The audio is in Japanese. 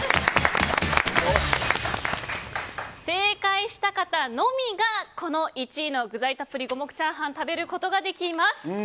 正解した方のみが１位の具材たっぷり五目炒飯を食べることができます。